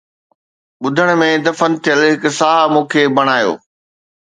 ٻڌڻ ۾ دفن ٿيل هڪ ساهه مون کي بنايو